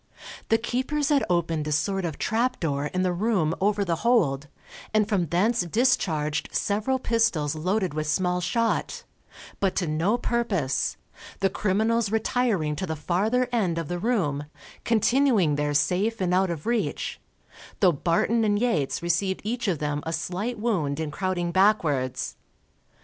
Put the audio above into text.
The keepers had opened a sort of trap door in the room over the hold, and from thence discharged several pistols loaded with small shot, but to no purpose, the criminals retiring to the farther end of the room, continuing there safe and out of reach; though Barton and Yates received each of them a slight wound in crowding backwards.